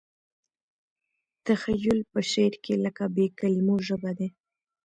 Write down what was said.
تخیل په شعر کې لکه بې کلیمو ژبه دی.